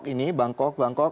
ini bangkok bangkok